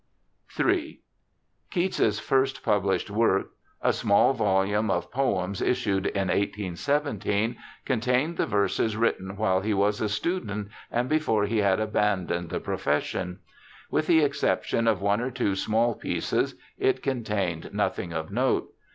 Ill Keats's first published work, a small volume of poems issued in 1817, contained the verses written while he was a student and before he had abandoned the pro fession. With the exception of one or two small pieces it contained nothing of note.